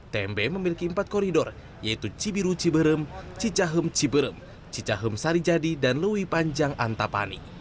tmb memiliki empat koridor yaitu cibiru ciberem cicahem ciberem cicahem sarijadi dan lewi panjang antapani